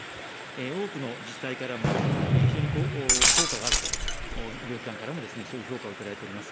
多くの自治体からも非常に効果があると、医療機関からもそういう評価をいただいております。